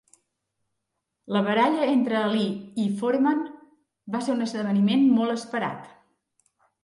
La baralla entre Ali i Foreman va ser un esdeveniment molt esperat.